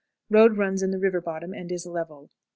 Road runs in the river bottom, and is level.